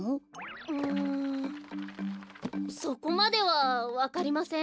うんそこまではわかりません。